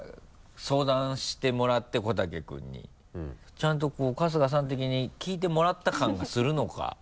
ちゃんとこう春日さん的に聞いてもらった感がするのか？